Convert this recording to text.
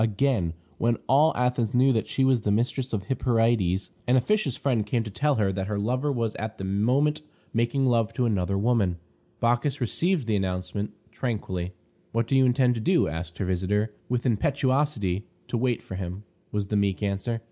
Again: when all Athens knew that she was the mistress of Hyperides, an officious friend came to tell her that her lover was at that moment making love to another woman. Bacchis received the announcement tranquilly. "What do you intend to do?" asked her visitor, with impetuosity. "To wait for him," was the meek answer.